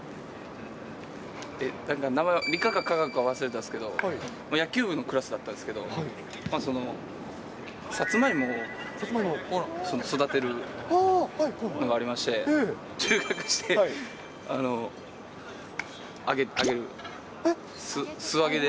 なんか理科か化学か忘れたんですけど、野球部のクラスだったんですけど、さつまいもを育てるのがありまして、収穫して、揚げて、素揚げで。